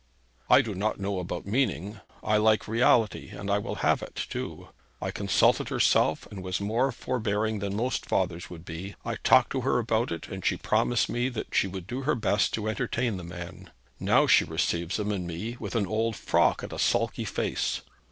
'I do not know about meaning. I like reality, and I will have it too. I consulted herself, and was more forbearing than most fathers would be. I talked to her about it, and she promised me that she would do her best to entertain the man. Now she receives him and me with an old frock and a sulky face.